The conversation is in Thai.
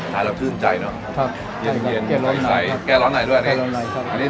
ถ้าเราคืนใจเนอะครับเย็นเย็นใสใสแก้ร้อนหน่อยด้วยอันนี้